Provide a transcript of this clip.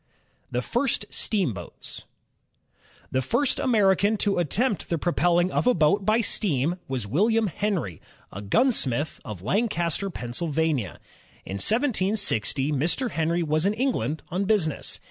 The First Steamboats The first American to attempt the propelling of a boat by steam was William Henry, a gunsmith of Lan caster, Pennsylvania, tn 1760, Mr. Henry was in England on business.